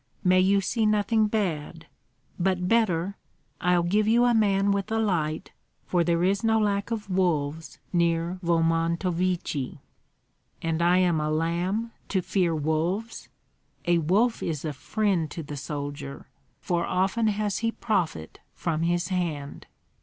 "May you see nothing bad! But better, I'll give you a man with a light, for there is no lack of wolves near Volmontovichi." "And am I a lamb to fear wolves? A wolf is a friend to a soldier, for often has he profit from his hand.